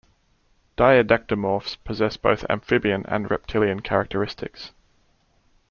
Diadectomorphs possess both amphibian and reptilian characteristics.